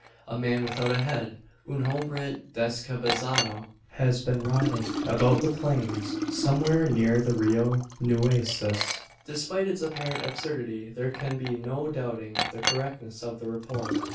A man without a head un hombre descabezado has been seen riding about the plains, somewhere near the Rio Nueces! Despite its apparent absurdity, there can be no doubting the correctness of the report.